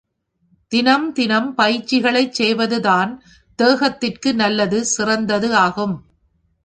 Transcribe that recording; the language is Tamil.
தினந்தினம் பயிற்சிகளைக் செய்வது தான் தேகத்திற்கு நல்லது, சிறந்தது ஆகும்.